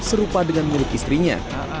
serupa dengan milik istrinya